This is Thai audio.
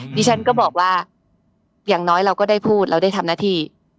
ดิฉันก็บอกว่าอย่างน้อยเราก็ได้พูดเราได้ทำหน้าที่